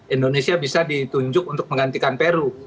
indonesia bisa ditunjuk untuk menggantikan peru